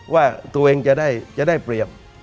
ว่าตัวเองจะได้เปรียบ